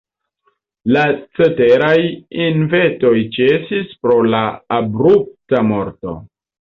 La ceteraj inventoj ĉesis pro la abrupta morto.